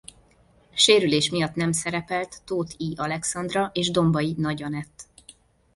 Sérülés miatt nem szerepelt Tóth I Alexandra és Dombai-Nagy Anett.